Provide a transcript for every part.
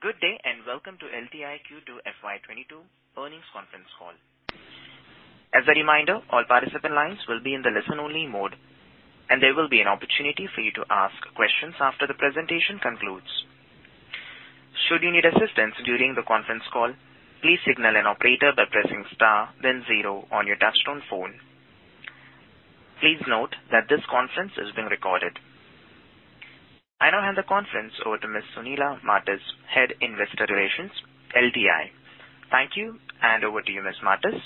Good day, and welcome to LTI Q2 FY 2022 earnings conference call. I now hand the conference over to Ms. Sunila Martis, Head Investor Relations, LTI. Thank you, and over to you, Ms. Martis.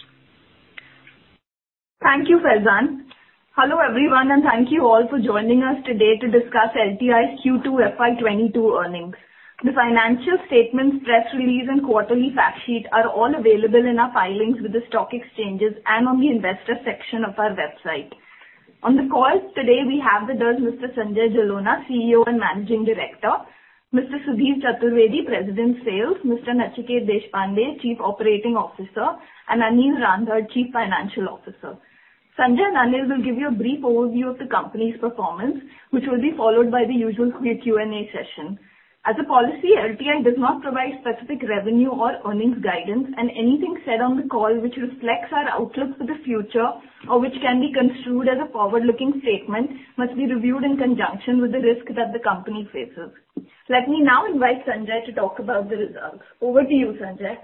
Thank you, Faizan. Hello, everyone, and thank you all for joining us today to discuss LTI's Q2 FY 2022 earnings. The financial statement, press release, and quarterly fact sheet are all available in our filings with the stock exchanges and on the investor section of our website. On the call today, we have with us Mr. Sanjay Jalona, CEO and Managing Director, Mr. Sudhir Chaturvedi, President, Sales, Mr. Nachiket Deshpande, Chief Operating Officer, and Anil Rander, Chief Financial Officer. Sanjay and Anil will give you a brief overview of the company's performance, which will be followed by the usual Q&A session. As a policy, LTI does not provide specific revenue or earnings guidance, and anything said on the call which reflects our outlook for the future or which can be construed as a forward-looking statement must be reviewed in conjunction with the risk that the company faces. Let me now invite Sanjay to talk about the results. Over to you, Sanjay.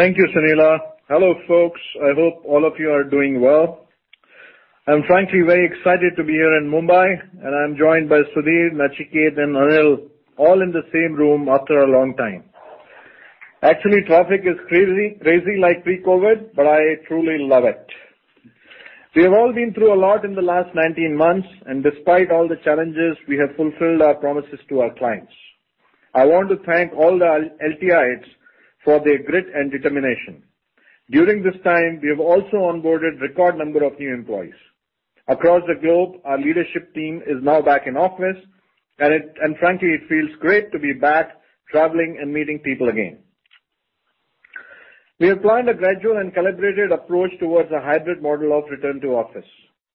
Thank you, Sunila. Hello, folks. I hope all of you are doing well. I am frankly very excited to be here in Mumbai, and I am joined by Sudhir, Nachiket, and Anil all in the same room after a long time. Traffic is crazy like pre-COVID, but I truly love it. We have all been through a lot in the last 19 months, and despite all the challenges, we have fulfilled our promises to our clients. I want to thank all the LTIs for their grit and determination. During this time, we have also onboarded record number of new employees. Across the globe, our leadership team is now back in office, and frankly, it feels great to be back traveling and meeting people again. We have planned a gradual and calibrated approach towards a hybrid model of return to office.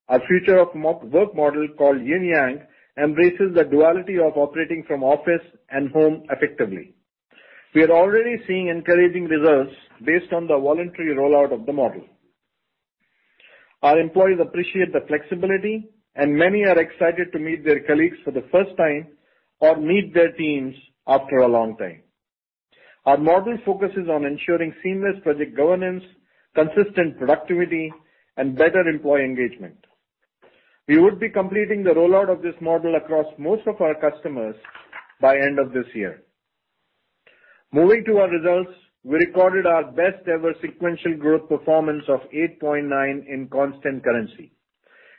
Our future of work model called Yin Yang embraces the duality of operating from office and home effectively. We are already seeing encouraging results based on the voluntary rollout of the model. Our employees appreciate the flexibility, and many are excited to meet their colleagues for the first time or meet their teams after a long time. Our model focuses on ensuring seamless project governance, consistent productivity, and better employee engagement. We would be completing the rollout of this model across most of our customers by end of this year. Moving to our results, we recorded our best ever sequential growth performance of 8.9 in constant currency.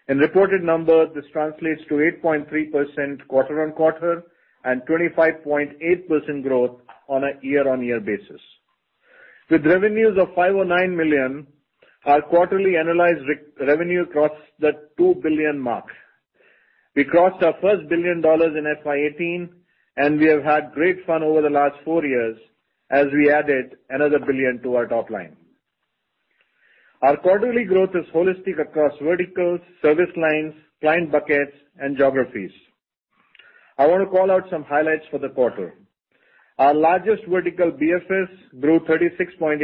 In reported numbers, this translates to 8.3% quarter on quarter and 25.8% growth on a year-on-year basis. With revenues of $509 million, our quarterly analyzed revenue crossed the $2 billion mark. We crossed our first INR 1 billion in FY 2018. We have had great fun over the last four years as we added another 1 billion to our top line. Our quarterly growth is holistic across verticals, service lines, client buckets, and geographies. I want to call out some highlights for the quarter. Our largest vertical, BFS, grew 36.8%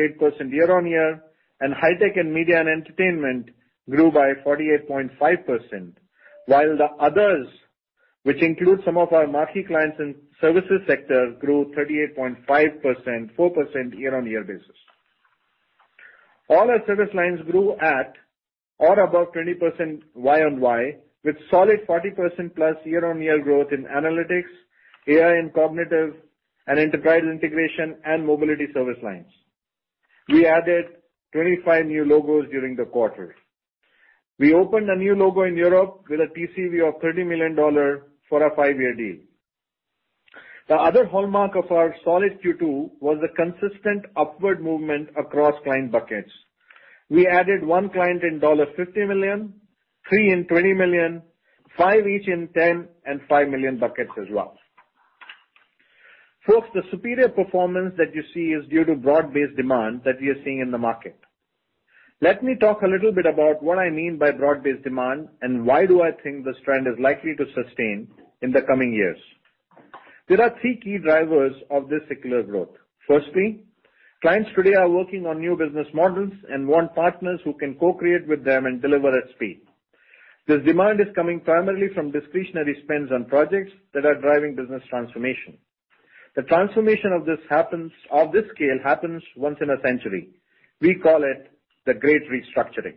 year-over-year. High tech and media and entertainment grew by 48.5%, while the others, which include some of our marquee clients in services sector, grew 38.5%, 4% year-over-year basis. All our service lines grew at or above 20% YoY, with solid 40%+ year-on-year growth in analytics, AI and cognitive and enterprise integration and mobility service lines. We added 25 new logos during the quarter. We opened a new logo in Europe with a TCV of $30 million for a five-year deal. The other hallmark of our solid Q2 was the consistent upward movement across client buckets. We added one client in $50 million, three in $20 million, five each in $10 million and $5 million buckets as well. Folks, the superior performance that you see is due to broad-based demand that we are seeing in the market. Let me talk a little bit about what I mean by broad-based demand and why do I think this trend is likely to sustain in the coming years. There are three key drivers of this secular growth. Firstly, clients today are working on new business models and want partners who can co-create with them and deliver at speed. This demand is coming primarily from discretionary spends on projects that are driving business transformation. The transformation of this scale happens once in a century. We call it the Great Restructuring.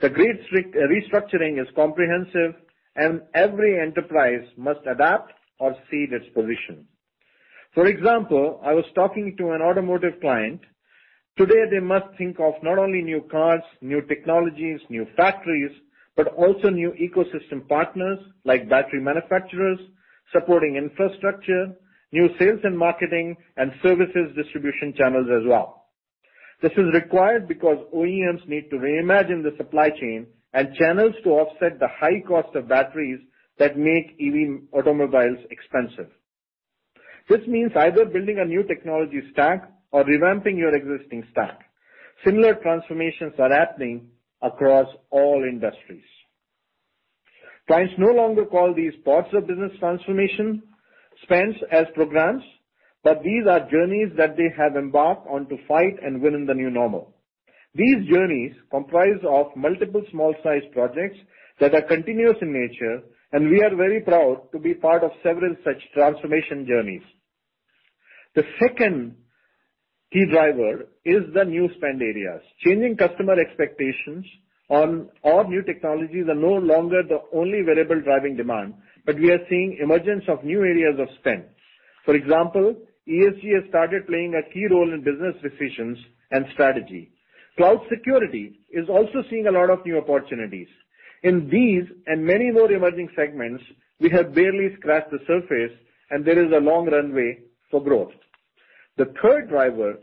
The Great Restructuring is comprehensive and every enterprise must adapt or cede its position. For example, I was talking to an automotive client. Today, they must think of not only new cars, new technologies, new factories, but also new ecosystem partners like battery manufacturers, supporting infrastructure, new sales and marketing, and services distribution channels as well. This is required because OEMs need to reimagine the supply chain and channels to offset the high cost of batteries that make EV automobiles expensive. This means either building a new technology stack or revamping your existing stack. Similar transformations are happening across all industries. Clients no longer call these parts of business transformation spends as programs, but these are journeys that they have embarked on to fight and win in the new normal. These journeys comprise of multiple small-sized projects that are continuous in nature, and we are very proud to be part of several such transformation journeys. The second key driver is the new spend areas. Changing customer expectations on all new technologies are no longer the only variable driving demand, but we are seeing emergence of new areas of spend. For example, ESG has started playing a key role in business decisions and strategy. Cloud security is also seeing a lot of new opportunities. In these and many more emerging segments, we have barely scratched the surface, and there is a long runway for growth. The third driver,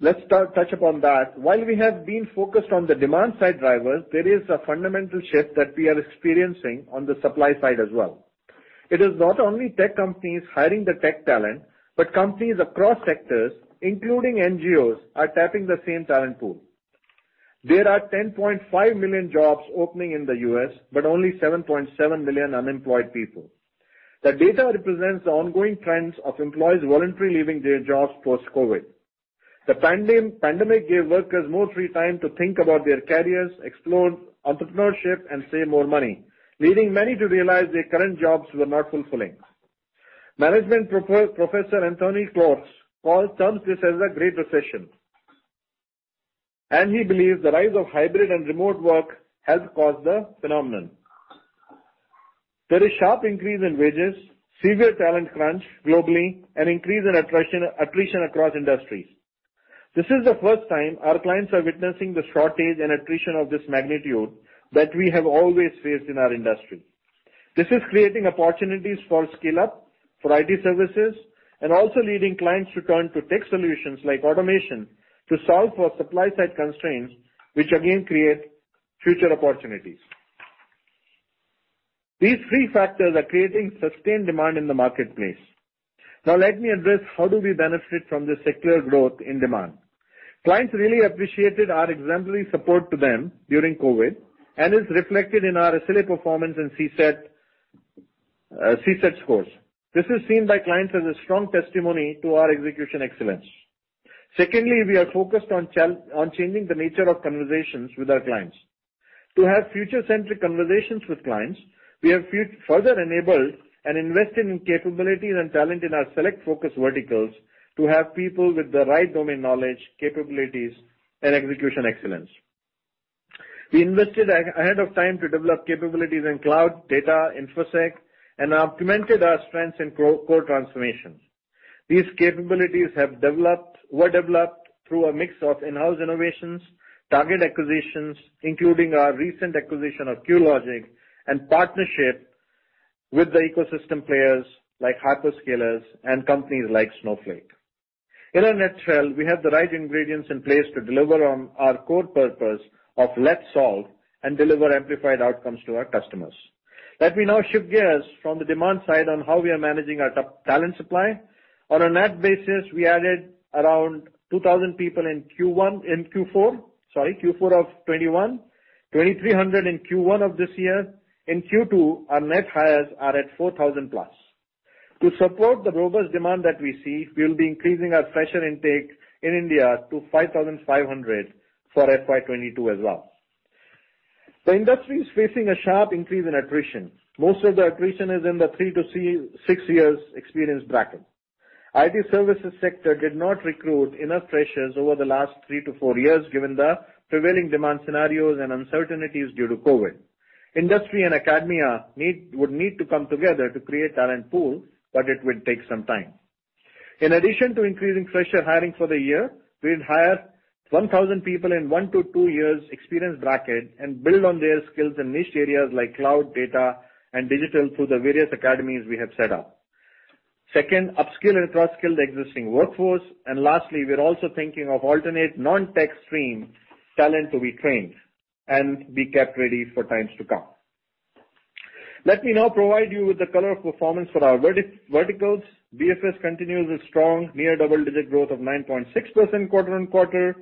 let's touch upon that. While we have been focused on the demand-side drivers, there is a fundamental shift that we are experiencing on the supply side as well. It is not only tech companies hiring the tech talent, but companies across sectors, including NGOs, are tapping the same talent pool. There are 10.5 million jobs opening in the U.S., but only 7.7 million unemployed people. The data represents the ongoing trends of employees voluntarily leaving their jobs post-COVID. The pandemic gave workers more free time to think about their careers, explore entrepreneurship, and save more money, leading many to realize their current jobs were not fulfilling. Management Professor Anthony Klotz calls this the Great Resignation. He believes the rise of hybrid and remote work has caused the phenomenon. There is sharp increase in wages, severe talent crunch globally, and increase in attrition across industries. This is the first time our clients are witnessing the shortage and attrition of this magnitude that we have always faced in our industry. This is creating opportunities for scale-up for IT services and also leading clients to turn to tech solutions like automation to solve for supply-side constraints, which again create future opportunities. These three factors are creating sustained demand in the marketplace. Let me address how do we benefit from this secular growth in demand. Clients really appreciated our exemplary support to them during COVID, and it's reflected in our SLA performance and CSAT scores. This is seen by clients as a strong testimony to our execution excellence. Secondly, we are focused on changing the nature of conversations with our clients. To have future-centric conversations with clients, we have further enabled and invested in capabilities and talent in our select focus verticals to have people with the right domain knowledge, capabilities, and execution excellence. We invested ahead of time to develop capabilities in cloud, data, InfoSec, and augmented our strengths in core transformations. These capabilities were developed through a mix of in-house innovations, target acquisitions, including our recent acquisition of Cuelogic, and partnership with the ecosystem players like hyperscalers and companies like Snowflake. In a nutshell, we have the right ingredients in place to deliver on our core purpose of let's solve and deliver amplified outcomes to our customers. Let me now shift gears from the demand side on how we are managing our talent supply. On a net basis, we added around 2,000 people in Q4 of 2021, 2,300 in Q1 of this year. In Q2, our net hires are at 4,000+. To support the robust demand that we see, we'll be increasing our fresher intake in India to 5,500 for FY 2022 as well. The industry is facing a sharp increase in attrition. Most of the attrition is in the three to six years experience bracket. IT services sector did not recruit enough freshers over the last three to four years, given the prevailing demand scenarios and uncertainties due to COVID. Industry and academia would need to come together to create talent pool, but it will take some time. In addition to increasing fresher hiring for the year, we'd hire 1,000 people in one to two years experience bracket and build on their skills in niche areas like cloud, data, and digital through the various academies we have set up. Second, upskill and cross-skill the existing workforce. Lastly, we're also thinking of alternate non-tech stream talent to be trained and be kept ready for times to come. Let me now provide you with the color of performance for our verticals. BFS continues with strong near double-digit growth of 9.6% quarter-on-quarter.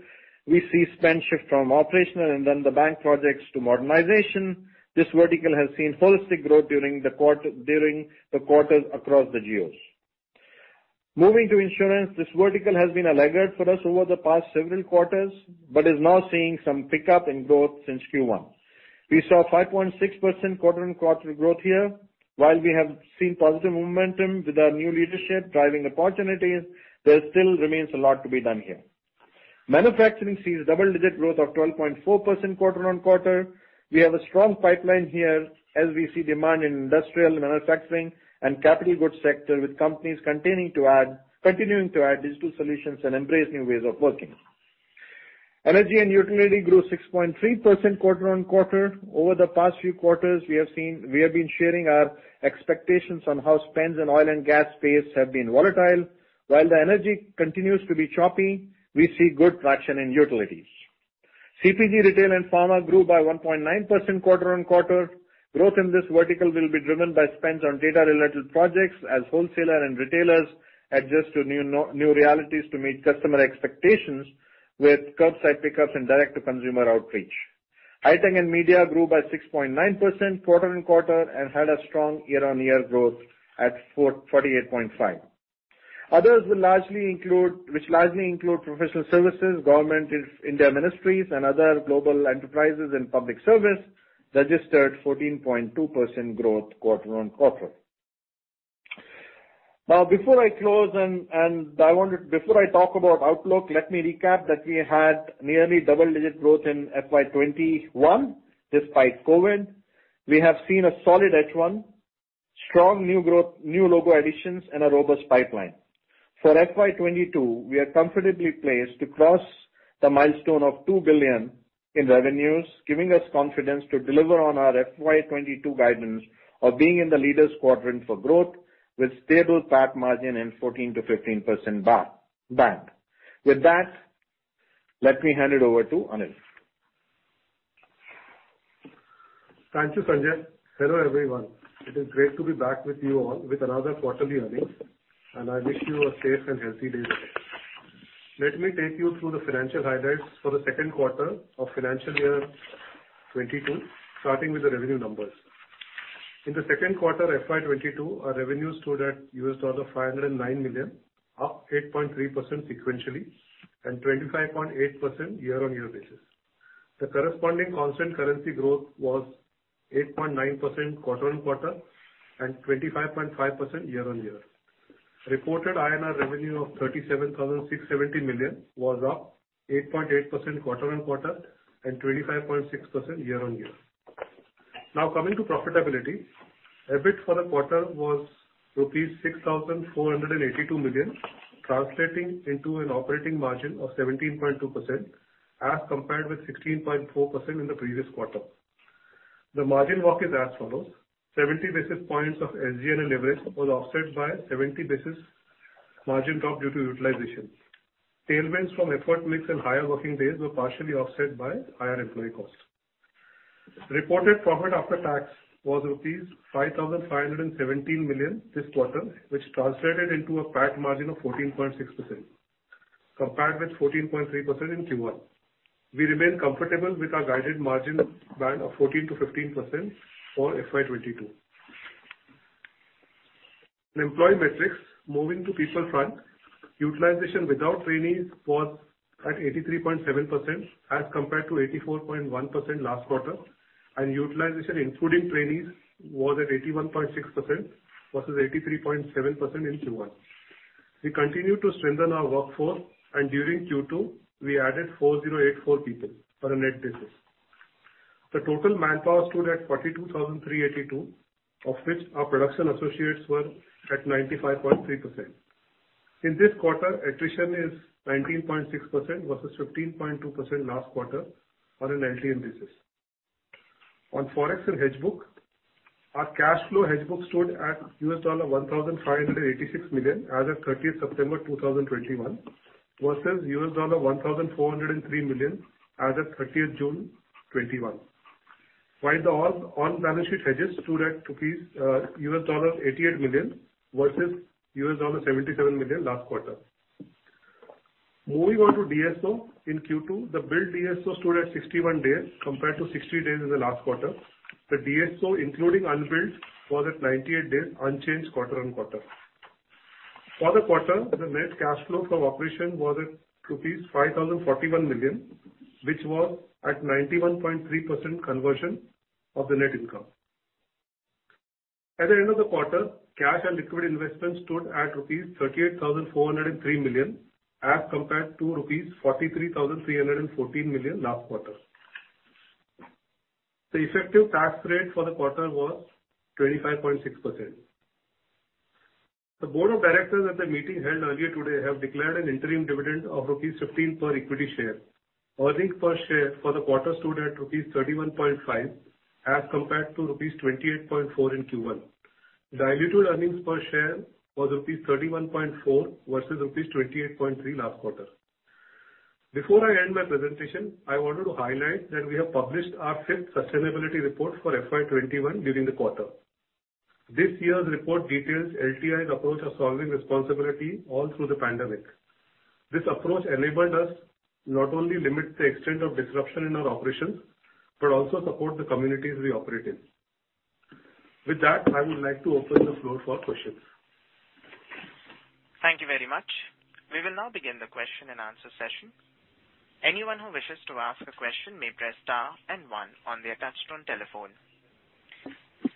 We see spend shift from operational and then the bank projects to modernization. This vertical has seen holistic growth during the quarters across the geos. Moving to insurance, this vertical has been a laggard for us over the past several quarters but is now seeing some pickup in growth since Q1. We saw 5.6% quarter-on-quarter growth here. While we have seen positive momentum with our new leadership driving opportunities, there still remains a lot to be done here. Manufacturing sees double-digit growth of 12.4% quarter-on-quarter. We have a strong pipeline here as we see demand in industrial and manufacturing and capital goods sector with companies continuing to add digital solutions and embrace new ways of working. Energy utility grew 6.3% quarter-on-quarter. Over the past few quarters, we have been sharing our expectations on how spends in oil and gas space have been volatile. While the energy continues to be choppy, we see good traction in utilities. CPG, retail, and pharma grew by 1.9% quarter-on-quarter. Growth in this vertical will be driven by spends on data-related projects as wholesaler and retailers adjust to new realities to meet customer expectations with curbside pickups and direct-to-consumer outreach. Hi-Tech and Media grew by 6.9% quarter-on-quarter and had a strong year-on-year growth at 48.5%. Others, which largely include professional services, government India ministries, and other global enterprises and public service, registered 14.2% growth quarter-on-quarter. Before I close and before I talk about outlook, let me recap that we had nearly double-digit growth in FY 2021 despite COVID. We have seen a solid H1, strong new logo additions, and a robust pipeline. For FY 2022, we are comfortably placed to cross the milestone of $2 billion in revenues, giving us confidence to deliver on our FY 2022 guidance of being in the leaders quadrant for growth with stable PAT margin in 14%-15% band. With that, let me hand it over to Anil. Thank you, Sanjay. Hello, everyone. It is great to be back with you all with another quarterly earnings, and I wish you a safe and healthy day today. Let me take you through the financial highlights for the second quarter of FY 2022, starting with the revenue numbers. In the second quarter FY 2022, our revenues stood at $509 million, up 8.3% sequentially and 25.8% year-on-year basis. The corresponding constant currency growth was 8.9% quarter-on-quarter and 25.5% year-on-year. Reported 37,670 million revenue was up 8.8% quarter-on-quarter and 25.6% year-on-year. Coming to profitability. EBIT for the quarter was rupees 6,482 million, translating into an operating margin of 17.2% as compared with 16.4% in the previous quarter. The margin walk is as follows. 70 basis points of SG&A and leverage was offset by 70 basis margin drop due to utilization. Tailwinds from effort mix and higher working days were partially offset by higher employee costs. Reported profit after tax was rupees 5,517 million this quarter, which translated into a PAT margin of 14.6%, compared with 14.3% in Q1. We remain comfortable with our guided margin band of 14%-15% for FY 2022. Employee metrics. Moving to people front. Utilization without trainees was at 83.7% as compared to 84.1% last quarter, and utilization including trainees was at 81.6% versus 83.7% in Q1. We continue to strengthen our workforce, and during Q2, we added 4,084 people on a net basis. The total manpower stood at 42,382, of which our production associates were at 95.3%. In this quarter, attrition is 19.6% versus 15.2% last quarter on an LTM basis. On Forex and hedge book, our cash flow hedge book stood at $1.586 million as of September 30th 2021, versus $1.403 million as of June 30th 2021. The on-balance sheet hedges stood at $88 million versus $77 million last quarter. Moving on to DSO in Q2. The billed DSO stood at 61 days compared to 60 days in the last quarter. The DSO including unbilled was at 98 days, unchanged quarter-on-quarter. For the quarter, the net cash flow from operation was at rupees 5,041 million, which was at 91.3% conversion of the net income. At the end of the quarter, cash and liquid investments stood at rupees 38,403 million as compared to rupees 43,314 million last quarter. The effective tax rate for the quarter was 25.6%. The board of directors at the meeting held earlier today have declared an interim dividend of rupees 15 per equity share. Earnings per share for the quarter stood at rupees 31.5 as compared to rupees 28.4 in Q1. Diluted earnings per share was rupees 31.4 versus rupees 28.3 last quarter. Before I end my presentation, I wanted to highlight that we have published our fifth sustainability report for FY 2021 during the quarter. This year's report details LTI's approach of solving responsibility all through the pandemic. This approach enabled us not only limit the extent of disruption in our operations, but also support the communities we operate in. With that, I would like to open the floor for questions. Thank you very much. We will now begin the question and answer session. Anyone who wishes to ask a question may press star and one on their touchtone telephone.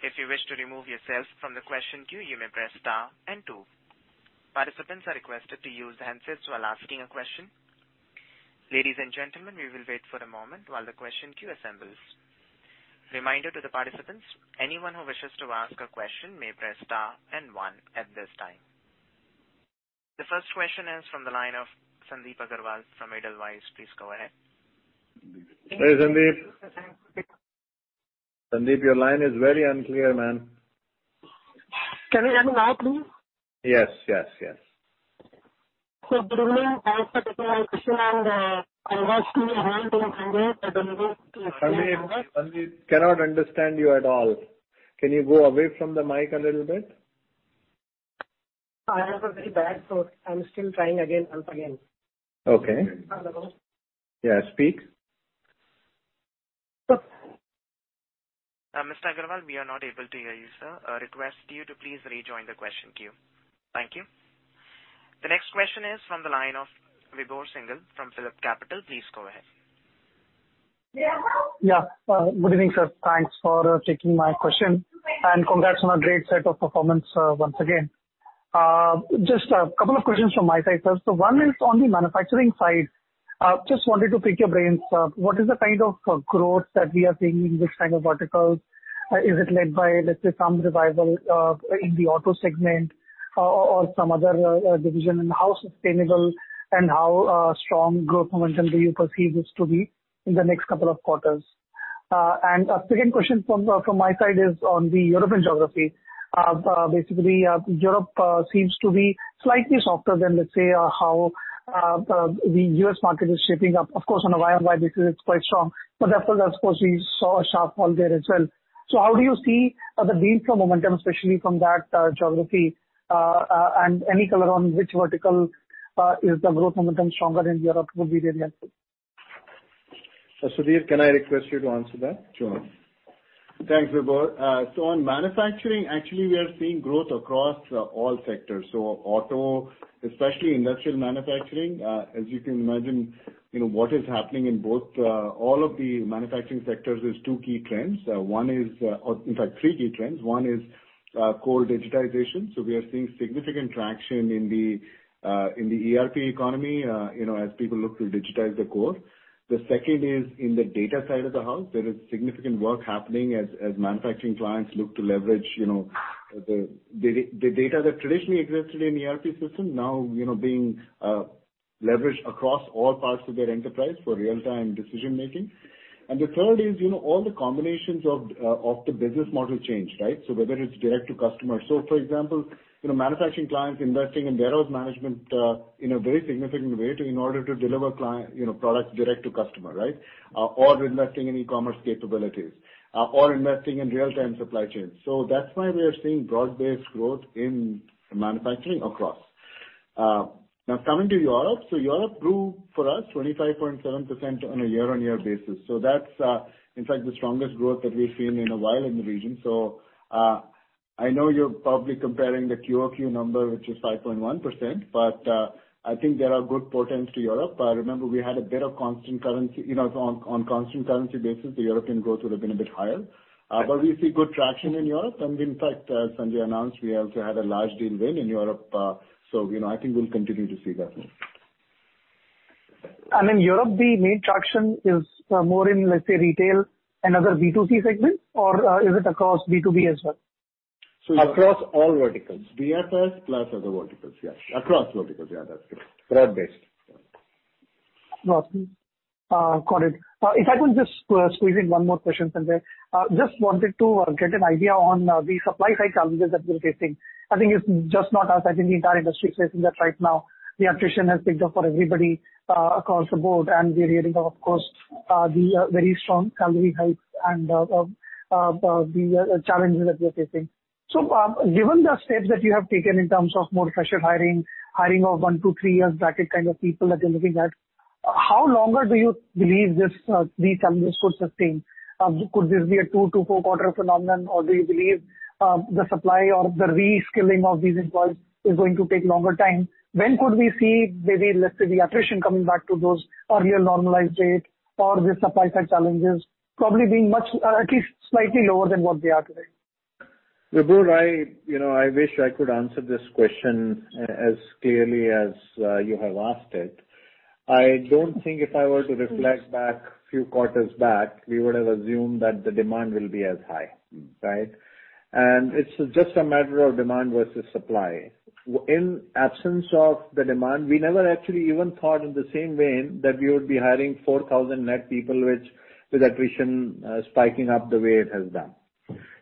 If you wish to remove yourself from the question queue, you may press star and two. Participants are requested to use handsets while asking a question. Ladies and gentlemen, we will wait for a moment while the question queue assembles. Reminder to the participants, anyone who wishes to ask a question may press star and one at this time. The first question is from the line of Sandip Agarwal from Edelweiss. Please go ahead. Hey, Sandip. Sandip, your line is very unclear, man. Can you hear me now, please? Yes. Good evening. Thanks for taking my question and I want to give a hand and congratulate. Sandip, cannot understand you at all. Can you go away from the mic a little bit? I have a very bad throat. I'm still trying again and again. Okay. Hello. Yeah, speak. Sir. Mr. Agarwal, we are not able to hear you, sir. I request you to please rejoin the question queue. Thank you. The next question is from the line of Vibhor Singhal from PhillipCapital. Please go ahead. Good evening, sir. Thanks for taking my question, and congrats on a great set of performance once again. Just a couple of questions from my side, sir. One is on the manufacturing side. Just wanted to pick your brains. What is the kind of growth that we are seeing in which kind of verticals? Is it led by, let's say, some revival in the auto segment or some other division? How sustainable and how strong growth momentum do you perceive this to be in the next couple of quarters? A second question from my side is on the European geography. Basically, Europe seems to be slightly softer than, let's say, how the U.S. market is shaping up. Of course, on a YoY basis it's quite strong, but after that, of course, we saw a sharp fall there as well. How do you see the deal flow momentum, especially from that geography? Any color on which vertical is the growth momentum stronger in Europe would be really helpful. Sudhir, can I request you to answer that? Sure. Thanks, Vibhor. On manufacturing, actually, we are seeing growth across all sectors. Auto, especially industrial manufacturing. As you can imagine, what is happening in all of the manufacturing sectors is two key trends. In fact, three key trends. One is core digitization. We are seeing significant traction in the ERP economy as people look to digitize the core. The second is in the data side of the house. There is significant work happening as manufacturing clients look to leverage the data that traditionally existed in the ERP system now being leveraged across all parts of their enterprise for real time decision-making. The third is all the combinations of the business model change, right? Whether it's direct to customer. For example, manufacturing clients investing in warehouse management in a very significant way in order to deliver products direct to customer, right? Investing in e-commerce capabilities, or investing in real-time supply chains. That's why we are seeing broad-based growth in manufacturing across. Now, coming to Europe. Europe grew for us 25.7% on a year-on-year basis. That's, in fact, the strongest growth that we've seen in a while in the region. I know you're probably comparing the QoQ number, which is 5.1%, but I think there are good portents to Europe. Remember, we had a bit of constant currency. On constant currency basis, the European growth would have been a bit higher. We see good traction in Europe. In fact, Sanjay announced we also had a large deal win in Europe. I think we'll continue to see that. In Europe, the main traction is more in, let's say, retail and other B2C segments, or is it across B2B as well? Across all verticals. BFS plus other verticals. Yes. Across verticals, yeah, that's correct. Broad-based. Got it. If I could just squeeze in one more question, Sanjay. Wanted to get an idea on the supply side challenges that we're facing. I think it's just not us, I think the entire industry is facing that right now. The attrition has picked up for everybody across the board, and we're hearing, of course, the very strong salary hikes and the challenges that we're facing. Given the steps that you have taken in terms of more fresher hiring of one to three years bracket kind of people that you're looking at, how longer do you believe these challenges could sustain? Could this be a two to four quarter phenomenon, or do you believe the supply or the reskilling of these employees is going to take longer time? When could we see maybe, let's say, the attrition coming back to those earlier normalized rates or the supply side challenges probably being much at least slightly lower than what they are today? Vibhor, I wish I could answer this question as clearly as you have asked it. I don't think if I were to reflect back a few quarters back, we would have assumed that the demand will be as high, right? It's just a matter of demand versus supply. In absence of the demand, we never actually even thought in the same vein that we would be hiring 4,000 net people, with attrition spiking up the way it has done.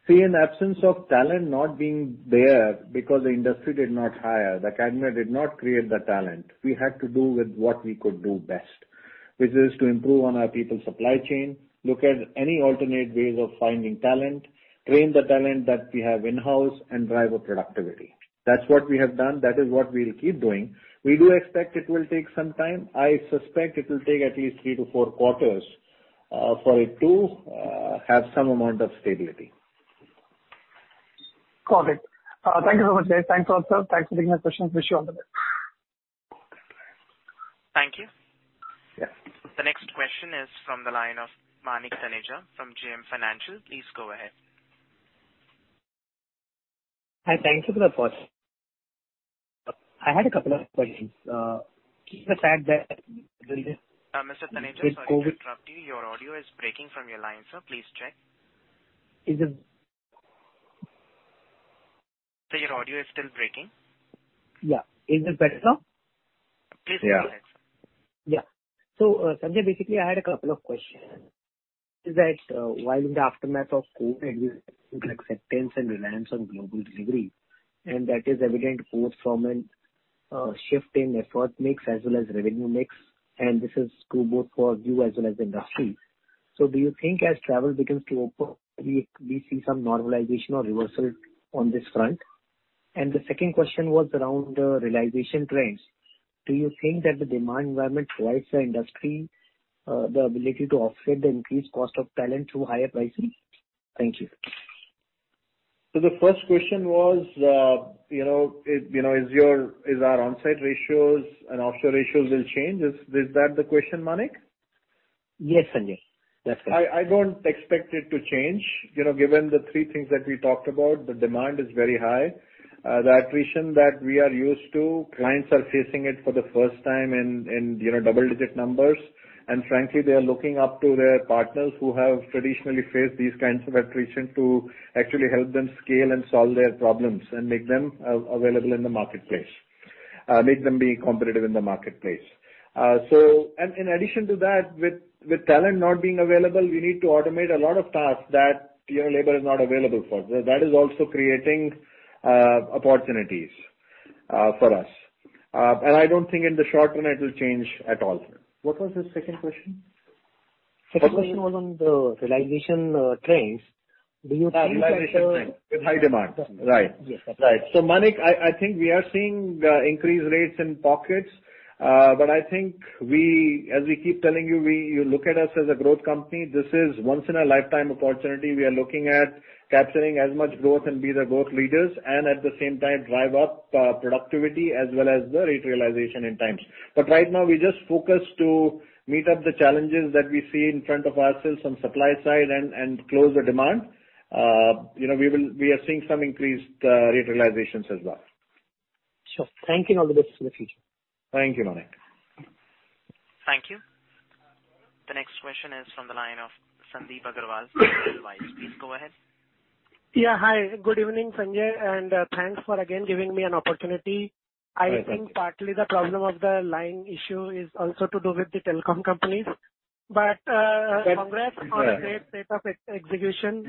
In absence of talent not being there because the industry did not hire, the academia did not create the talent. We had to do with what we could do best, which is to improve on our people supply chain, look at any alternate ways of finding talent, train the talent that we have in-house, and drive up productivity. That's what we have done. That is what we'll keep doing. We do expect it will take some time. I suspect it will take at least three to four quarters for it to have some amount of stability. Got it. Thank you so much, guys. Thanks a lot, sir. Thanks for taking my questions. Wish you all the best. Thank you. The next question is from the line of Manik Taneja from JM Financial. Please go ahead. Hi. Thank you for the pause. I had a couple of questions. Mr. Taneja, sorry to interrupt you. Your audio is breaking from your line, sir. Please check. Is it? Sir, your audio is still breaking. Yeah. Is it better now? Please go ahead, sir. Yeah. Yeah. Sanjay, basically, I had a couple of questions. While in the aftermath of COVID, we've seen acceptance and reliance on global delivery, and that is evident both from a shift in effort mix as well as revenue mix, and this is true both for you as well as the industry. Do you think as travel begins to open, we see some normalization or reversal on this front? The second question was around the realization trends. Do you think that the demand environment provides the industry the ability to offset the increased cost of talent through higher pricing? Thank you. The first question was, is our onsite ratios and offshore ratios will change. Is that the question, Manik? Yes, Sanjay. That's correct. I don't expect it to change. Given the three things that we talked about, the demand is very high. The attrition that we are used to, clients are facing it for the first time in double-digit numbers. Frankly, they are looking up to their partners who have traditionally faced these kinds of attrition to actually help them scale and solve their problems and make them available in the marketplace, make them be competitive in the marketplace. In addition to that, with talent not being available, we need to automate a lot of tasks that labor is not available for. That is also creating opportunities for us. I don't think in the short run it will change at all. What was his second question? Second question was on the realization trends. Do you think that? Realization trends with high demand. Right. Yes. Right. Manik, I think we are seeing increased rates in pockets. I think as we keep telling you look at us as a growth company. This is once in a lifetime opportunity. We are looking at capturing as much growth and be the growth leaders and at the same time, drive up productivity as well as the rate realization in times. Right now, we're just focused to meet up the challenges that we see in front of ourselves on supply side and close the demand. We are seeing some increased rate realizations as well. Sure. Thank you and all the best for the future. Thank you, Manik. Thank you. The next question is from the line of Sandip Agarwal, Edelweiss. Please go ahead. Hi. Good evening, Sanjay, and thanks for again giving me an opportunity. Hi, Sandip. I think partly the problem of the line issue is also to do with the telecom companies. Congrats- Correct. On great rate of execution.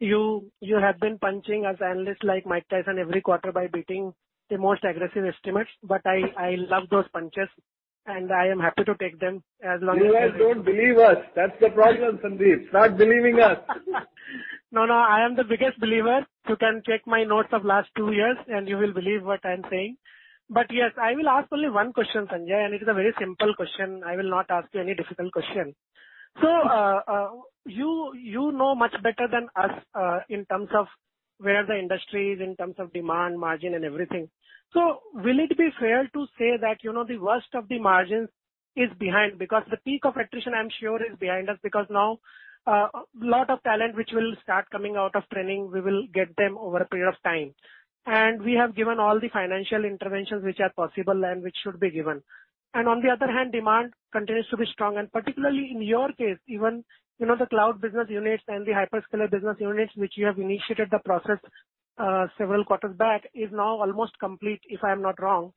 You have been punching us analysts like Mike Tyson every quarter by beating the most aggressive estimates. I love those punches, and I am happy to take them. You guys don't believe us. That's the problem, Sandip. Start believing us. No, I am the biggest believer. You can check my notes of last two years, and you will believe what I'm saying. Yes, I will ask only one question, Sanjay, and it is a very simple question. I will not ask you any difficult question. You know much better than us in terms of where the industry is in terms of demand, margin and everything. Will it be fair to say that the worst of the margins is behind? The peak of attrition, I'm sure is behind us because now a lot of talent which will start coming out of training, we will get them over a period of time. We have given all the financial interventions which are possible and which should be given. On the other hand, demand continues to be strong and particularly in your case, even the cloud business units and the hyperscaler business units, which you have initiated the process several quarters back, is now almost complete, if I'm not wrong.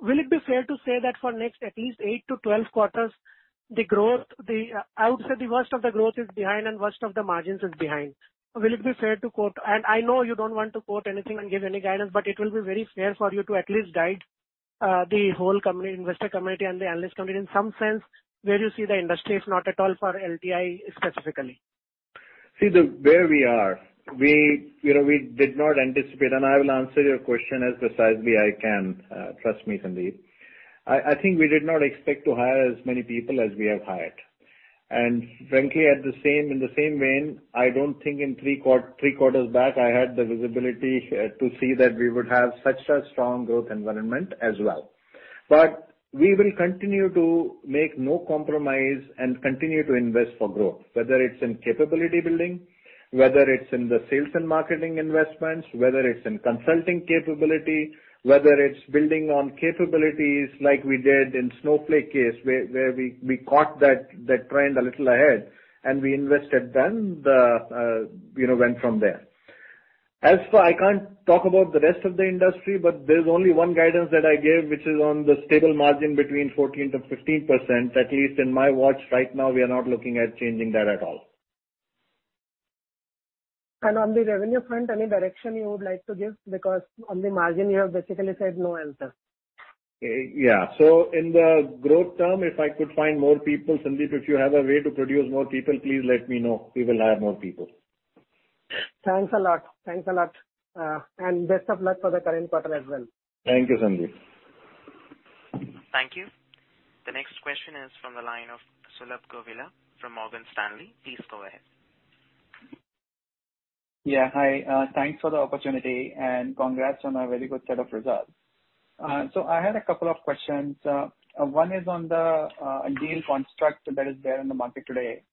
Will it be fair to say that for next at least 8-12 quarters, I would say the worst of the growth is behind and worst of the margins is behind. I know you don't want to quote anything and give any guidance, it will be very fair for you to at least guide the whole investor community and the analyst community in some sense, where you see the industry, if not at all for LTI specifically. See where we are. We did not anticipate. I will answer your question as precisely I can. Trust me, Sandip. I think we did not expect to hire as many people as we have hired. Frankly, in the same vein, I don't think in three quarters back, I had the visibility to see that we would have such a strong growth environment as well. We will continue to make no compromise and continue to invest for growth, whether it's in capability building, whether it's in the sales and marketing investments, whether it's in consulting capability, whether it's building on capabilities like we did in Snowflake case, where we caught that trend a little ahead and we invested then, went from there. I can't talk about the rest of the industry. There's only one guidance that I gave, which is on the stable margin between 14%-15%, at least in my watch right now, we are not looking at changing that at all. On the revenue front, any direction you would like to give? Because on the margin, you have basically said no answer. Yeah. In the growth term, if I could find more people, Sandip, if you have a way to produce more people, please let me know. We will hire more people. Thanks a lot. Best of luck for the current quarter as well. Thank you, Sandip. Thank you. The next question is from the line of Sulabh Govila from Morgan Stanley. Please go ahead. Yeah. Hi. Thanks for the opportunity, and congrats on a very good set of results. I had a couple of questions. One is on the deal construct that is there in the market today.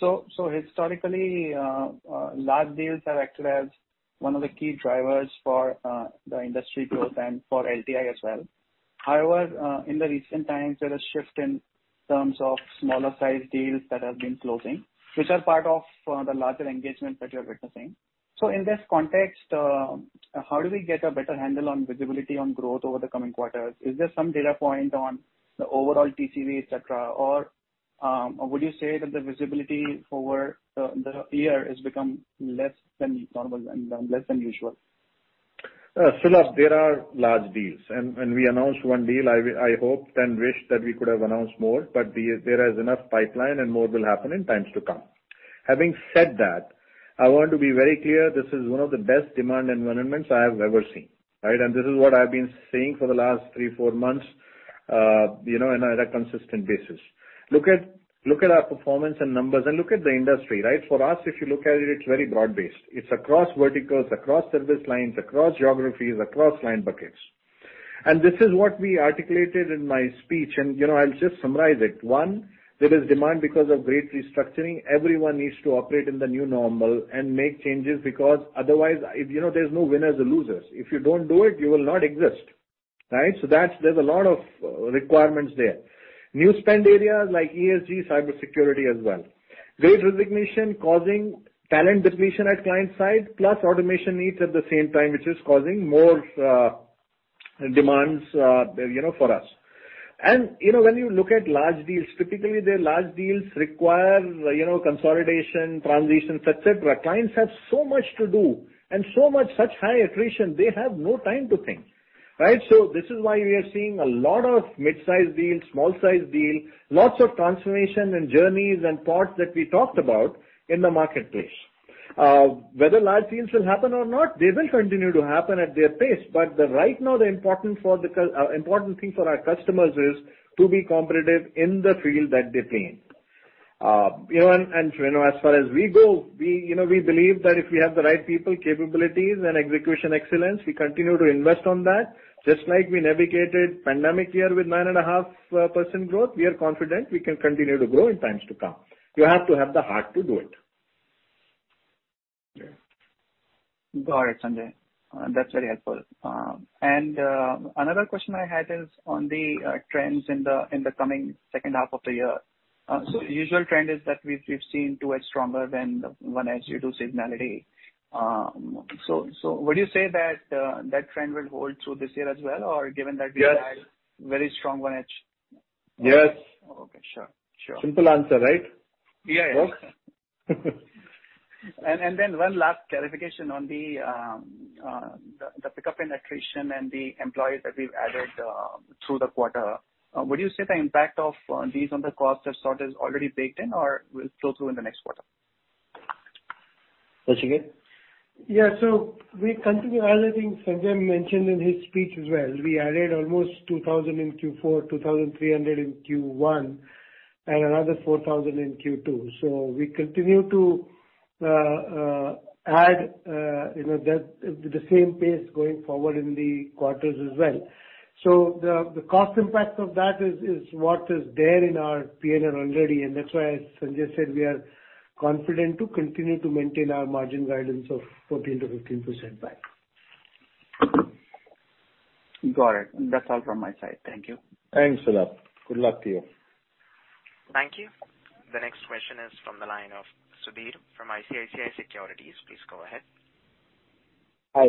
Historically, large deals have acted as one of the key drivers for the industry growth and for LTI as well. However, in the recent times, there is shift in terms of smaller size deals that have been closing, which are part of the larger engagement that you're witnessing. In this context, how do we get a better handle on visibility on growth over the coming quarters? Is there some data point on the overall TCV, et cetera? Would you say that the visibility for the year has become less than normal and less than usual? Sure. There are large deals. We announced one deal. I hoped and wished that we could have announced more, but there is enough pipeline and more will happen in times to come. Having said that, I want to be very clear, this is one of the best demand environments I have ever seen. This is what I've been saying for the last three, four months, on a consistent basis. Look at our performance and numbers and look at the industry. For us, if you look at it's very broad-based. It's across verticals, across service lines, across geographies, across client buckets. This is what we articulated in my speech, and I'll just summarize it. One, there is demand because of Great Restructuring. Everyone needs to operate in the new normal and make changes because otherwise, there's no winners or losers. If you don't do it, you will not exist. There's a lot of requirements there. New spend areas like ESG, cybersecurity as well. Great Resignation causing talent depletion at client side, plus automation needs at the same time, which is causing more demands for us. When you look at large deals, typically the large deals require consolidation, transitions, et cetera. Clients have so much to do and such high attrition, they have no time to think. This is why we are seeing a lot of mid-size deals, small size deals, lots of transformation and journeys and parts that we talked about in the marketplace. Whether large deals will happen or not, they will continue to happen at their pace. Right now, the important thing for our customers is to be competitive in the field that they play in. As far as we go, we believe that if we have the right people, capabilities, and execution excellence, we continue to invest on that. Just like we navigated pandemic year with 9.5% growth, we are confident we can continue to grow in times to come. You have to have the heart to do it. Got it, Sanjay. That's very helpful. Another question I had is on the trends in the coming second half of the year. The usual trend is that we've seen 2H stronger than 1H due to seasonality. Would you say that trend will hold through this year as well? Yes. You've had very strong one edge? Yes. Okay, sure. Simple answer, right? Yeah. One last clarification on the pickup in attrition and the employees that we've added through the quarter, would you say the impact of these on the cost side is already baked in or will flow through in the next quarter? Nachiket? Yeah. We continue adding, Sanjay mentioned in his speech as well. We added almost 2,000 in Q4, 2,300 in Q1, and another 4,000 in Q2. We continue to add the same pace going forward in the quarters as well. The cost impact of that is what is there in our P&L already, and that's why Sanjay said we are confident to continue to maintain our margin guidance of 14%-15% back. Got it. That's all from my side. Thank you. Thanks, Sulabh. Good luck to you. Thank you. The next question is from the line of Sudhir from ICICI Securities. Please go ahead. Hi.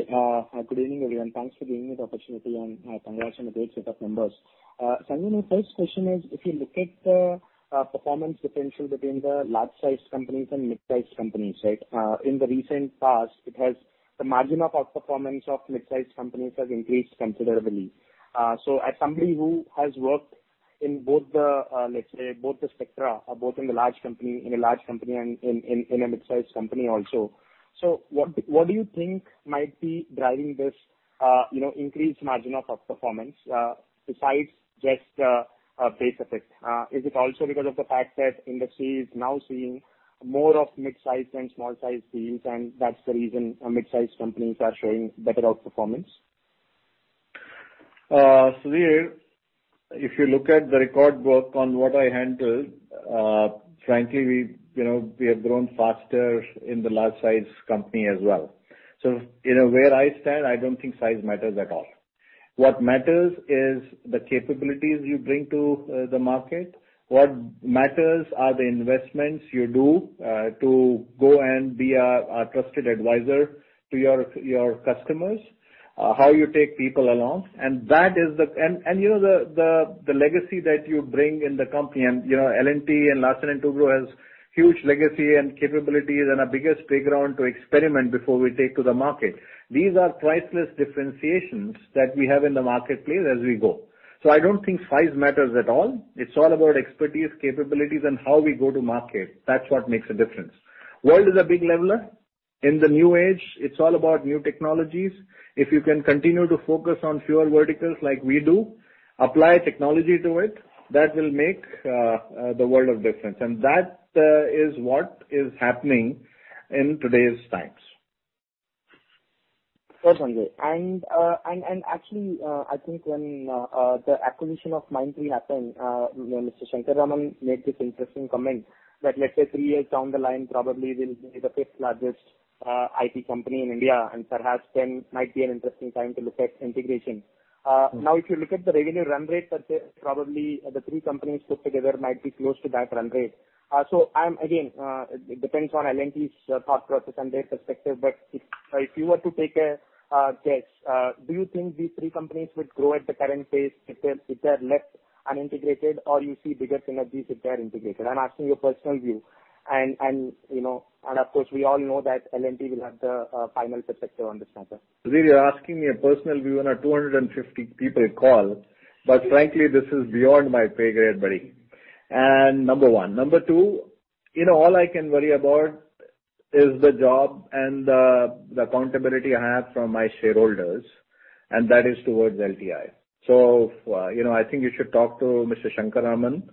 Good evening, everyone. Thanks for giving me the opportunity and congrats on a great set of numbers. Sanjay, my first question is, if you look at the performance potential between the large size companies and mid-size companies. In the recent past, the margin of outperformance of mid-size companies has increased considerably. As somebody who has worked in both the spectra, in a large company and in a mid-size company also. What do you think might be driving this increased margin of outperformance, besides just a base effect? Is it also because of the fact that industry is now seeing more of mid-size and small size deals and that's the reason mid-size companies are showing better outperformance? Sudhir, if you look at the record book on what I handle, frankly, we have grown faster in the large size company as well. Where I stand, I don't think size matters at all. What matters is the capabilities you bring to the market. What matters are the investments you do to go and be a trusted advisor to your customers, how you take people along. The legacy that you bring in the company. L&T and Larsen & Toubro has huge legacy and capabilities and a biggest playground to experiment before we take to the market. These are priceless differentiations that we have in the marketplace as we go. I don't think size matters at all. It's all about expertise, capabilities, and how we go to market. That's what makes a difference. World is a big leveler. In the new age, it's all about new technologies. If you can continue to focus on fewer verticals like we do, apply technology to it, that will make the world of difference. That is what is happening in today's times. Sure, Sanjay. Actually, I think when the acquisition of Mindtree happened, Mr. Shankar Raman made this interesting comment that let's say three years down the line probably we'll be the fifth largest IT company in India and perhaps then might be an interesting time to look at integration. If you look at the revenue run rate, probably the three companies put together might be close to that run rate. Again, it depends on L&T's thought process and their perspective. If you were to take a guess, do you think these three companies would grow at the current pace if they're left unintegrated or you see bigger synergies if they're integrated? I'm asking your personal view. Of course, we all know that L&T will have the final perspective on this matter. Sudhir, you're asking me a personal view on a 250 people call. Frankly, this is beyond my pay grade, buddy. Number one. Number two, all I can worry about is the job and the accountability I have from my shareholders, and that is towards LTI. I think you should talk to Mr. Shankar Raman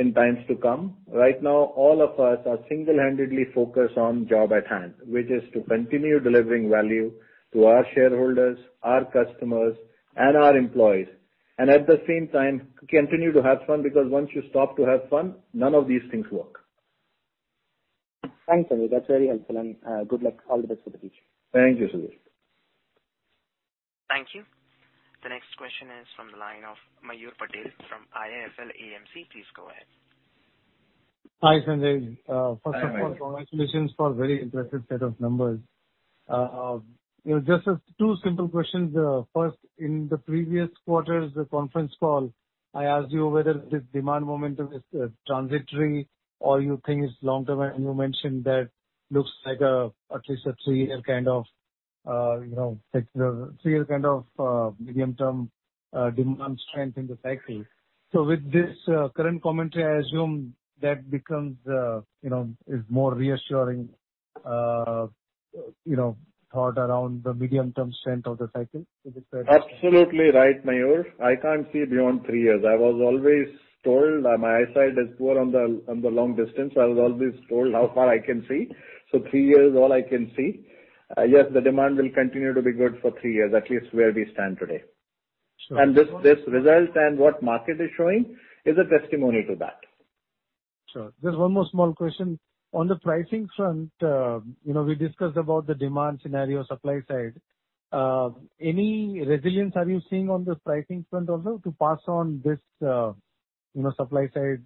in times to come. Right now, all of us are single-handedly focused on job at hand, which is to continue delivering value to our shareholders, our customers and our employees. At the same time, continue to have fun because once you stop to have fun, none of these things work. Thanks, Sanjay. That's very helpful and good luck. All the best for the future. Thank you, Sudhir. Thank you. The next question is from the line of Mayur Patel from IIFL AMC. Please go ahead. Hi, Sanjay. Hi, Mayur. First of all, congratulations for very impressive set of numbers. Just as two simple questions. First, in the previous quarter's conference call, I asked you whether this demand momentum is transitory or you think it's long-term, and you mentioned that looks like at least a three-year kind of medium-term demand strength in the cycle. With this current commentary, I assume that becomes more reassuring thought around the medium-term strength of the cycle. Absolutely right, Mayur. I can't see beyond three years. I was always told my eyesight is poor on the long distance. I was always told how far I can see. Three years is all I can see. Yes, the demand will continue to be good for three years, at least where we stand today. This result, and what market is showing is a testimony to that. Sure. Just one more small question. On the pricing front, we discussed about the demand scenario supply side. Any resilience are you seeing on the pricing front also to pass on this supply side,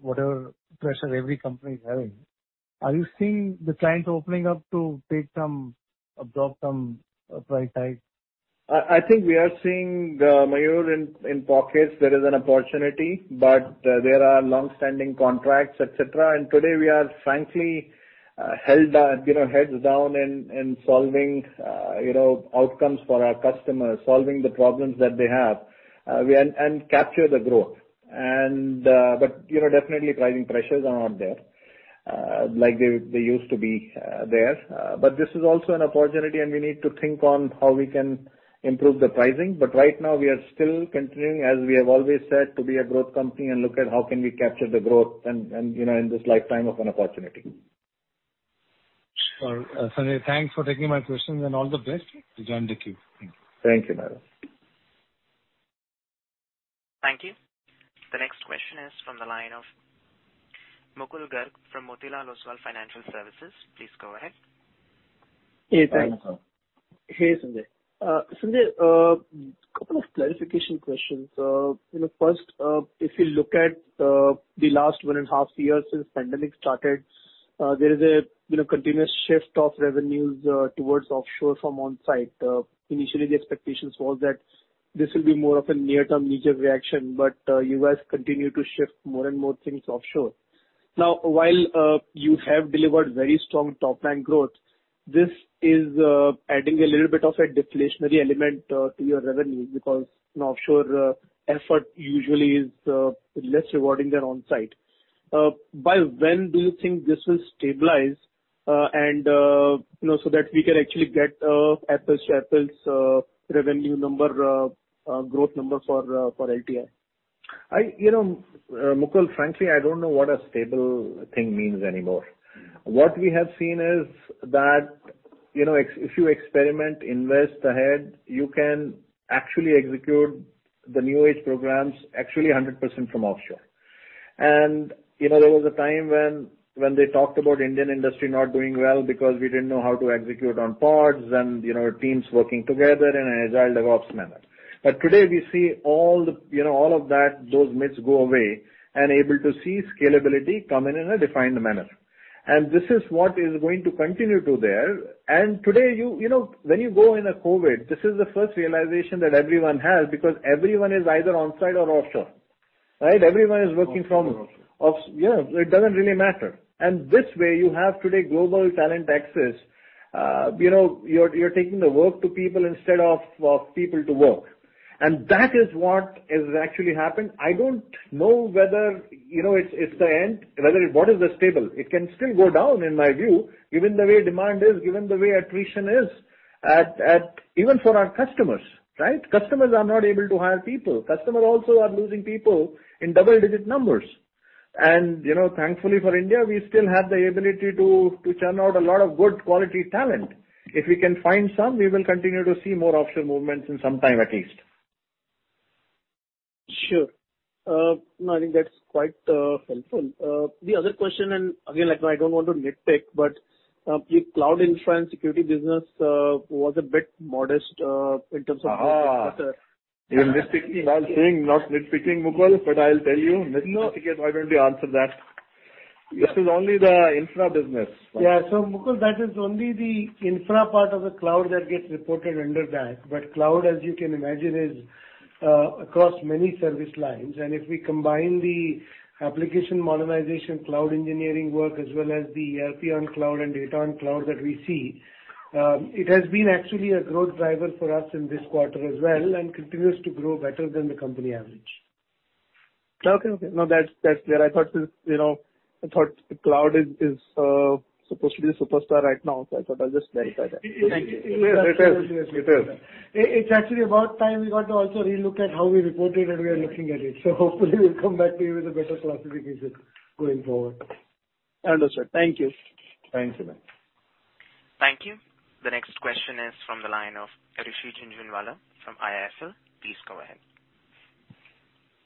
whatever pressure every company is having? Are you seeing the clients opening up to adopt some price hike? I think we are seeing, Mayur, in pockets there is an opportunity, but there are longstanding contracts, et cetera. Today we are frankly held heads down in solving outcomes for our customers, solving the problems that they have, and capture the growth. Definitely pricing pressures are not there like they used to be there. This is also an opportunity, and we need to think on how we can improve the pricing. Right now we are still continuing, as we have always said, to be a growth company and look at how can we capture the growth and in this lifetime of an opportunity. Sure. Sanjay, thanks for taking my questions and all the best. Thank you. Thank you, Mayur. Thank you. The next question is from the line of Mukul Garg from Motilal Oswal Financial Services. Please go ahead. Hey, thanks. Hi, Mukul. Hey, Sanjay. Sanjay, a couple of clarification questions. First, if you look at the last one and a half years since pandemic started, there is a continuous shift of revenues towards offshore from onsite. Initially, the expectations was that this will be more of a near-term knee-jerk reaction, but you guys continue to shift more and more things offshore. Now, while you have delivered very strong top-line growth, this is adding a little bit of a deflationary element to your revenue because an offshore effort usually is less rewarding than onsite. By when do you think this will stabilize so that we can actually get apples-to-apples revenue number, growth number for LTI? Mukul, frankly, I don't know what a stable thing means anymore. What we have seen is that if you experiment, invest ahead, you can actually execute the new age programs actually 100% from offshore. There was a time when they talked about Indian industry not doing well because we didn't know how to execute on pods and teams working together in an agile DevOps manner. Today we see all of those myths go away and able to see scalability come in in a defined manner. This is what is going to continue to there. Today, when you go in a COVID, this is the first realization that everyone has because everyone is either onsite or offshore, right? Everyone is working from- Offshore or onshore. It doesn't really matter. This way you have today global talent access. You're taking the work to people instead of people to work. That is what has actually happened. I don't know whether it's the end, whether what is the stable. It can still go down in my view, given the way demand is, given the way attrition is even for our customers, right? Customers are not able to hire people. Customers also are losing people in double-digit numbers. Thankfully for India, we still have the ability to churn out a lot of good quality talent. If we can find some, we will continue to see more offshore movements in some time at least. Sure. No, I think that's quite helpful. Again, I don't want to nitpick, but your cloud infra and security business was a bit modest in terms of- You're nitpicking. I'm saying not nitpicking, Mukul, but I'll tell you. Nachiket, why don't you answer that? This is only the infra business. Mukul, that is only the infra part of the cloud that gets reported under that. Cloud, as you can imagine, is across many service lines. If we combine the application modernization, cloud engineering work, as well as the ERP on cloud and data on cloud that we see, it has been actually a growth driver for us in this quarter as well and continues to grow better than the company average. Okay. No, that's clear. I thought the cloud is supposed to be a superstar right now, so I thought I'll just verify that. Thank you. It is. It's actually about time we got to also relook at how we report it, and we are looking at it. Hopefully we'll come back to you with a better classification going forward. Understood. Thank you. Thank you. Thank you. The next question is from the line of Rishi Jhunjhunwala from IIFL. Please go ahead.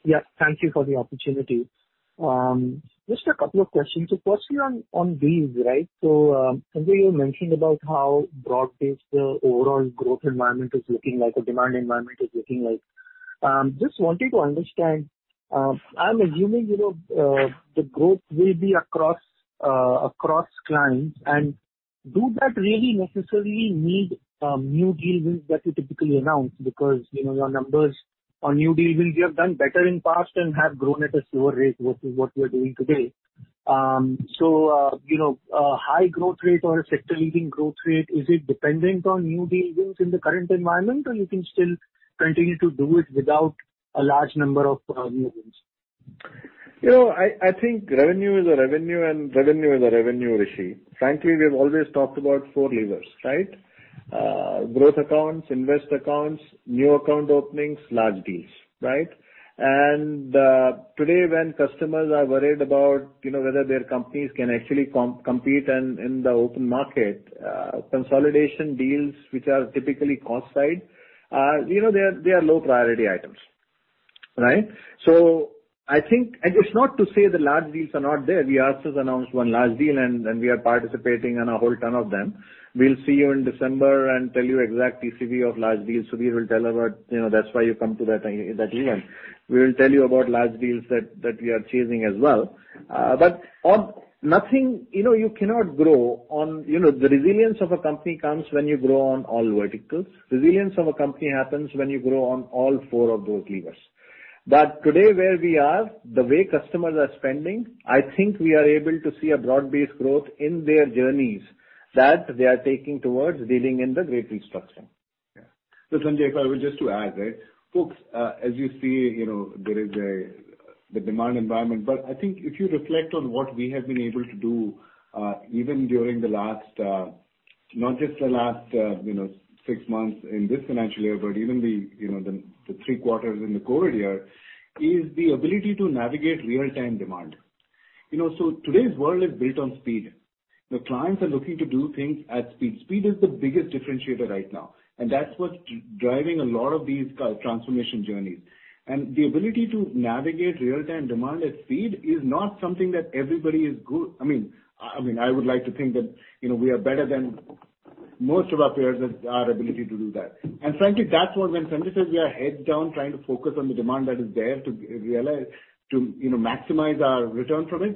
Yeah, thank you for the opportunity. Just a couple of questions. Firstly, on these, Sanjay, you mentioned about how broad-based the overall growth environment is looking like, the demand environment is looking like. Just wanted to understand, I'm assuming, the growth will be across clients, and do that really necessarily need new deal wins that you typically announce because your numbers on new deal wins, you have done better in the past and have grown at a slower rate versus what you're doing today. High growth rate or a sector-leading growth rate, is it dependent on new deal wins in the current environment, or you can still continue to do it without a large number of new wins? I think revenue is a revenue and revenue is a revenue, Rishi. Frankly, we have always talked about four levers. Growth accounts, invest accounts, new account openings, large deals. Today when customers are worried about whether their companies can actually compete in the open market, consolidation deals, which are typically cost side, they are low priority items. It's not to say the large deals are not there. We also announced 1 large deal, and we are participating in a whole ton of them. We'll see you in December and tell you exact TCV of large deals. Sudhir will tell. That's why you come to that event. We'll tell you about large deals that we are chasing as well. You cannot grow. The resilience of a company comes when you grow on all verticals. Resilience of a company happens when you grow on all four of those levers. Today, where we are, the way customers are spending, I think we are able to see a broad-based growth in their journeys that they are taking towards dealing in the Great Restructuring. Sanjay, if I were just to add. Folks, as you see, there is the demand environment. I think if you reflect on what we have been able to do even during the last, not just the last six months in this financial year, but even the three quarters in the COVID year, is the ability to navigate real-time demand. Today's world is built on speed. The clients are looking to do things at speed. Speed is the biggest differentiator right now, and that's what's driving a lot of these transformation journeys. The ability to navigate real-time demand at speed is not something that everybody is. I would like to think that we are better than most of our peers at our ability to do that. Frankly, that's what when Sanjay says we are head down trying to focus on the demand that is there to maximize our return from it.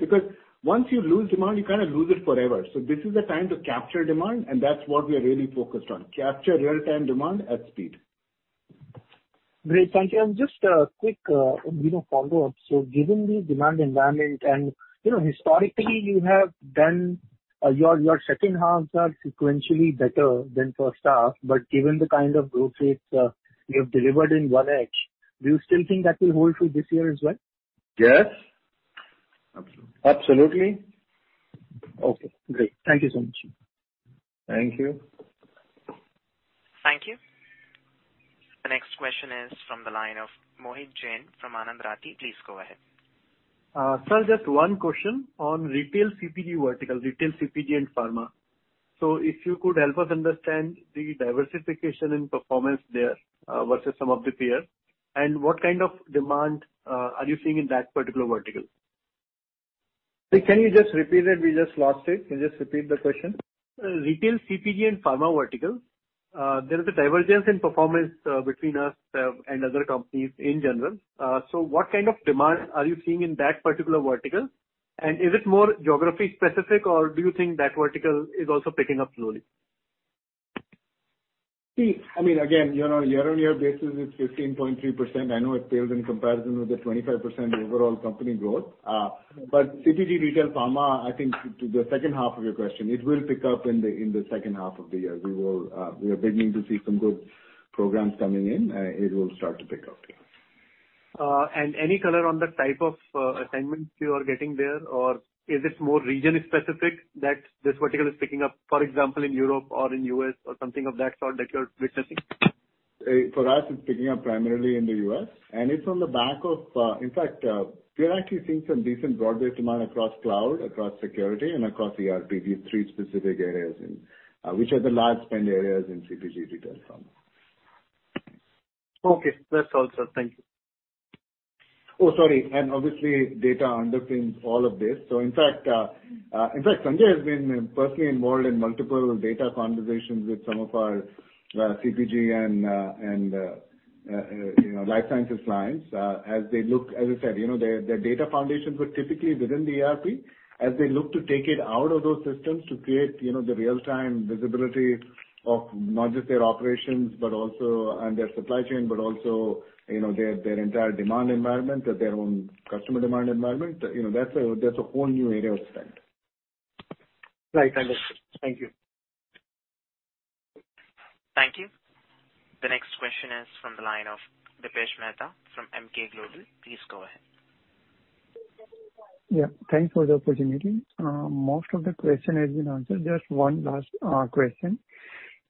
Once you lose demand, you kind of lose it forever. This is the time to capture demand, and that's what we are really focused on. Capture real-time demand at speed. Great, Sanjay. Just a quick follow-up. Given the demand environment, and historically you have done, your second halves are sequentially better than first half. Given the kind of growth rates you have delivered in 1H, do you still think that will hold for this year as well? Yes. Absolutely. Absolutely. Okay, great. Thank you so much. Thank you. Thank you. The next question is from the line of Mohit Jain from Anand Rathi. Please go ahead. Sir, just one question on retail CPG vertical, retail CPG and pharma. If you could help us understand the diversification in performance there versus some of the peers, and what kind of demand are you seeing in that particular vertical? Can you just repeat it? We just lost it. Can you just repeat the question? Retail CPG and pharma vertical. There is a divergence in performance between us and other companies in general. What kind of demand are you seeing in that particular vertical? Is it more geography-specific, or do you think that vertical is also picking up slowly? Year-on-year basis is 15.3%. I know it pales in comparison with the 25% overall company growth. CPG retail pharma, I think to the second half of your question, it will pick up in the second half of the year. We are beginning to see some good programs coming in. It will start to pick up. Any color on the type of assignments you are getting there, or is it more region-specific that this vertical is picking up, for example, in Europe or in U.S. or something of that sort that you're witnessing? For us, it's picking up primarily in the U.S. In fact, we are actually seeing some decent broad-based demand across cloud, across security, and across ERP. These three specific areas which are the large spend areas in CPG retail, pharma. Okay. That's all, sir. Thank you. Oh, sorry. Obviously, data underpins all of this. In fact, Sanjay has been personally involved in multiple data conversations with some of our CPG and life sciences clients. As I said, their data foundations were typically within the ERP. As they look to take it out of those systems to create the real-time visibility of not just their operations and their supply chain, but also their entire demand environment or their own customer demand environment, that's a whole new area of spend. Right. Understood. Thank you. Next question is from the line of Dipesh Mehta from Emkay Global. Please go ahead. Yeah, thanks for the opportunity. Most of the question has been answered. Just one last question.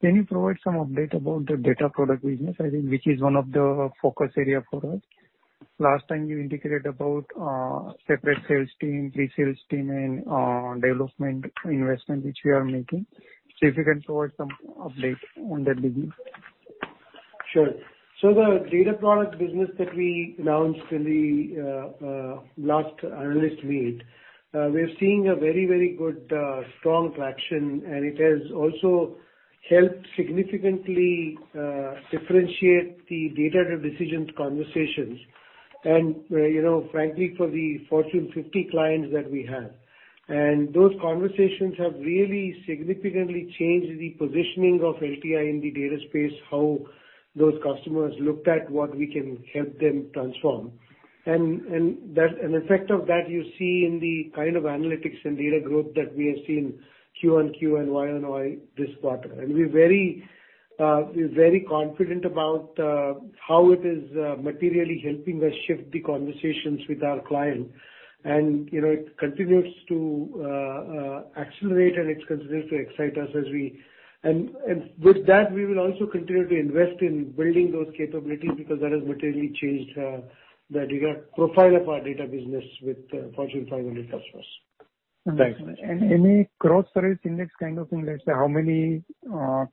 Can you provide some update about the data product business, I think, which is one of the focus area for us. Last time you indicated about separate sales team, pre-sales team and development investment which we are making. See if you can provide some update on that business. Sure. The data product business that we announced in the last analyst meet, we're seeing a very good, strong traction. It has also helped significantly differentiate the data-led decisions conversations and frankly, for the Fortune 50 clients that we have. Those conversations have really significantly changed the positioning of LTI in the data space, how those customers looked at what we can help them transform. An effect of that, you see in the kind of analytics and data growth that we have seen QoQ and YoY this quarter. We're very confident about how it is materially helping us shift the conversations with our client. It continues to accelerate and it continues to excite us. With that, we will also continue to invest in building those capabilities because that has materially changed the profile of our data business with Fortune 500 customers. Thanks very much. Any cross service index kind of thing, let's say, how many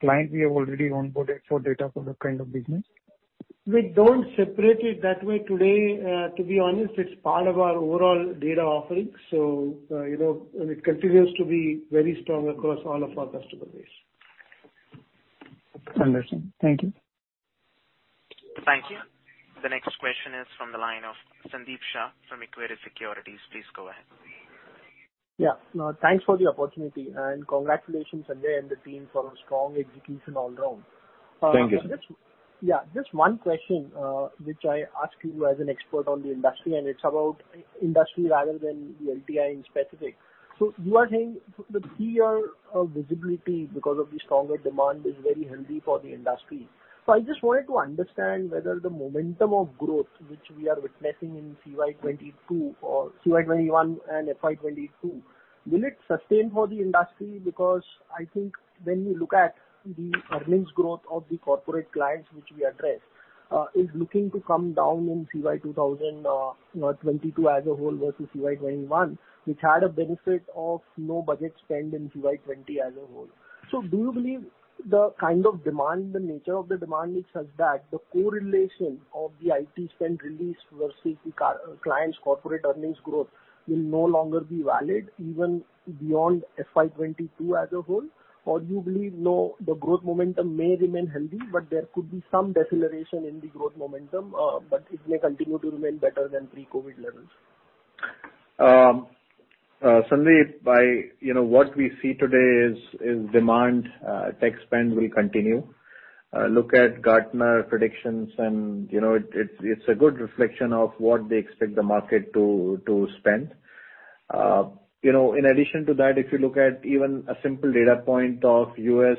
clients we have already onboarded for data for that kind of business? We don't separate it that way today. To be honest, it's part of our overall data offering. It continues to be very strong across all of our customer base. Understood. Thank you. Thank you. The next question is from the line of Sandeep Shah from Equirus Securities. Please go ahead. Yeah. Thanks for the opportunity and congratulations, Sanjay and the team for a strong execution all round. Thank you. Yeah. Just one question which I ask you as an expert on the industry, and it's about industry rather than the LTI in specific. You are saying the year of visibility because of the stronger demand is very healthy for the industry. I just wanted to understand whether the momentum of growth which we are witnessing in FY 2022 or FY 2021 and FY 2022, will it sustain for the industry? I think when you look at the earnings growth of the corporate clients which we address, is looking to come down in FY 2022 as a whole versus FY 2021, which had a benefit of no budget spend in FY 2020 as a whole. Do you believe the kind of demand, the nature of the demand is such that the correlation of the IT spend release versus the client's corporate earnings growth will no longer be valid even beyond FY 2022 as a whole? Or do you believe, no, the growth momentum may remain healthy, but there could be some deceleration in the growth momentum, but it may continue to remain better than pre-COVID levels? Sandeep, by what we see today is demand tech spend will continue. Look at Gartner predictions and it's a good reflection of what they expect the market to spend. In addition to that, if you look at even a simple data point of U.S.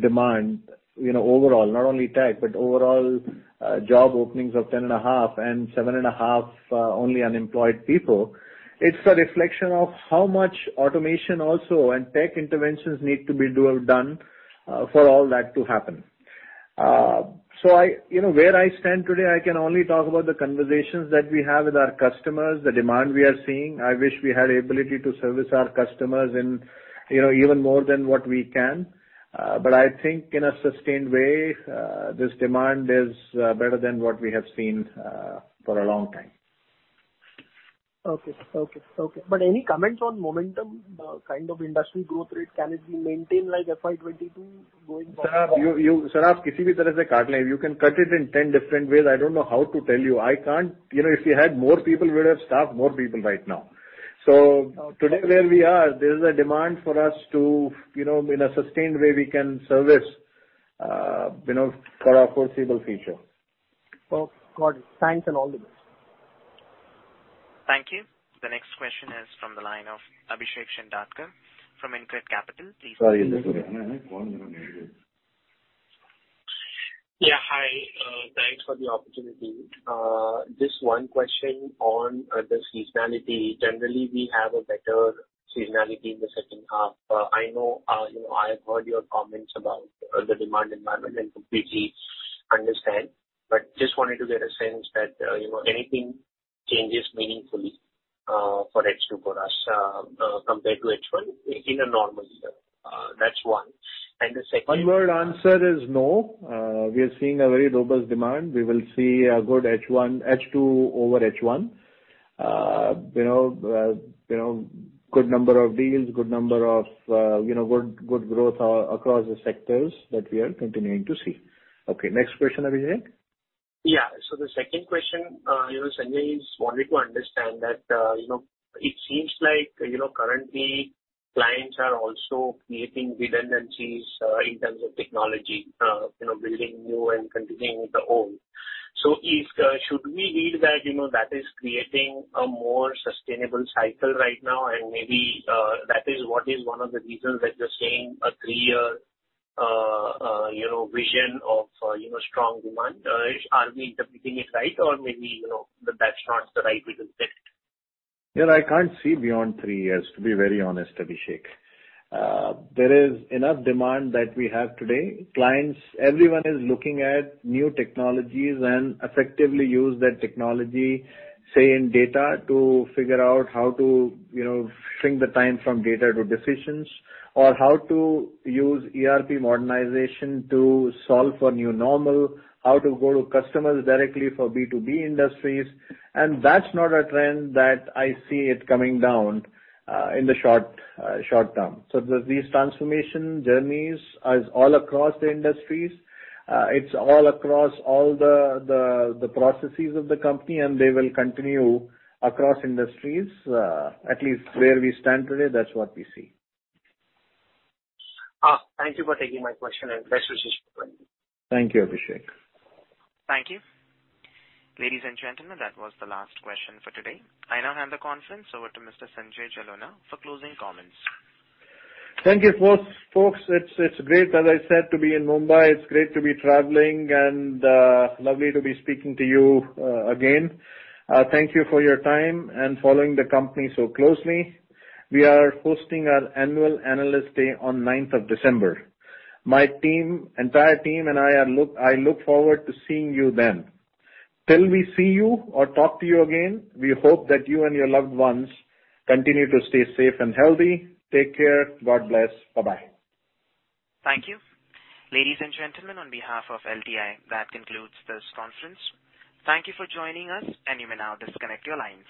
demand overall, not only tech, but overall job openings of 10.5 and 7.5 only unemployed people, it's a reflection of how much automation also and tech interventions need to be done for all that to happen. Where I stand today, I can only talk about the conversations that we have with our customers, the demand we are seeing. I wish we had ability to service our customers even more than what we can. I think in a sustained way, this demand is better than what we have seen for a long time. Okay. Any comments on momentum kind of industry growth rate? Can it be maintained like FY 2022 going forward? Sir, you can cut it in 10 different ways. I don't know how to tell you. If we had more people, we'd have staffed more people right now. Today where we are, there's a demand for us to, in a sustained way, we can service for our foreseeable future. Okay. Got it. Thanks and all the best. Thank you. The next question is from the line of Abhishek Shindadkar from InCred Capital. Please go ahead. Sorry. Yeah, hi. Thanks for the opportunity. Just one question on the seasonality. Generally, we have a better seasonality in the second half. I know I have heard your comments about the demand environment and completely understand. Just wanted to get a sense that anything changes meaningfully for H2 for us compared to H1 in a normal year. That's one. One word answer is no. We are seeing a very robust demand. We will see a good H2 over H1. Good number of deals, good growth across the sectors that we are continuing to see. Okay, next question, Abhishek. Yeah. The second question, Sanjay, is wanted to understand that it seems like currently clients are also creating redundancies in terms of technology, building new and continuing with the old. Should we read that is creating a more sustainable cycle right now, and maybe that is what is one of the reasons that you're saying a three-year vision of strong demand? Are we interpreting it right? Or maybe that's not the right way to take it. Yeah, I can't see beyond three years, to be very honest, Abhishek Shindadkar. There is enough demand that we have today. Clients, everyone is looking at new technologies and effectively use that technology, say, in data, to figure out how to shrink the time from data to decisions, or how to use ERP modernization to solve for new normal, how to go to customers directly for B2B industries. That's not a trend that I see it coming down in the short term. These transformation journeys is all across the industries. It's all across all the processes of the company, and they will continue across industries. At least where we stand today, that's what we see. Thank you for taking my question, and best wishes for growing. Thank you, Abhishek. Thank you. Ladies and gentlemen, that was the last question for today. I now hand the conference over to Mr. Sanjay Jalona for closing comments. Thank you, folks. It is great, as I said, to be in Mumbai. It is great to be traveling and lovely to be speaking to you again. Thank you for your time and following the company so closely. We are hosting our annual analyst day on December 9th. My entire team and I look forward to seeing you then. Till we see you or talk to you again, we hope that you and your loved ones continue to stay safe and healthy. Take care. God bless. Bye-bye. Thank you. Ladies and gentlemen, on behalf of LTI, that concludes this conference. Thank you for joining us, and you may now disconnect your lines.